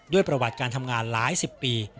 ประวัติการทำงานหลายสิบปี